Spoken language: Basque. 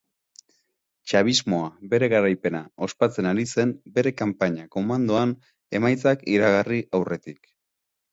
Chavismoa garaipena ospatzen ari zen bere kanpaina komandoan emaitzak iragarri aurretik.